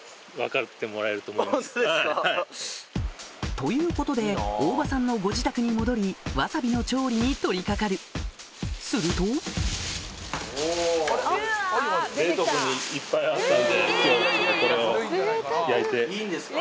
ということで大庭さんのご自宅に戻りワサビの調理に取りかかるするといいんですか？